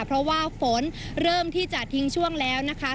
เพราะว่าฝนเริ่มที่จะทิ้งช่วงแล้วนะคะ